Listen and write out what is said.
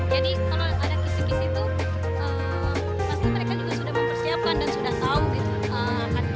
jadi kalau ada ksekisi itu sf mereka juga sudah mempersiapkan dan sudah tahu gitu